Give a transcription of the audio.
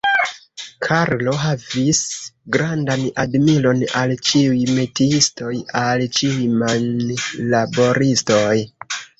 Karlo havis grandan admiron al ĉiuj metiistoj, al ĉiuj manlaboristoj.